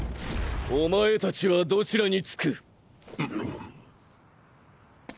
お前たちはどちらにつく？